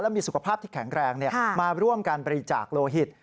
มีสุขภาพที่แข็งแรงมาร่วมการบริจาคโลหิต